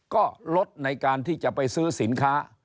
ก็ลดในการที่จะไปซื้อสินค้า